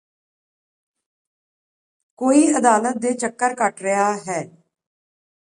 ਕੋਈ ਅਦਾਲਤ ਦੇ ਚੱਕਰ ਕੱਟ ਰਿਹਾ ਹੈ